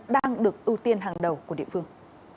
đang được ưu tiên hàng đầu của địa phương